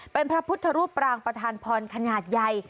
เป็นพระพุทธรูปปรางประธานพรขนาดใหญ่